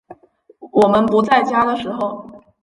我们不在家的时候